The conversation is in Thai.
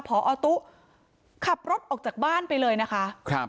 พอตุ๊ขับรถออกจากบ้านไปเลยนะคะ